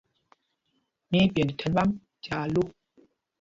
Mí í pyend thɛmb ām tyaa lô.